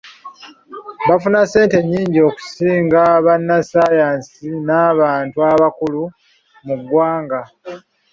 Bafuna ssente nnyingi okusinga bannasayansi n'abantu abakulu mu ggwanga.